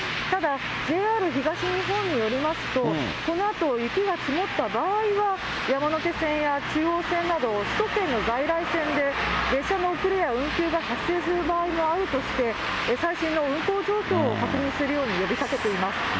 ただ、ＪＲ東日本によりますと、このあと雪が積もった場合は、山手線や中央線など、首都圏の在来線で列車の遅れや運休が発生する場合もあるとして、最新の運行状況を確認するように呼びかけています。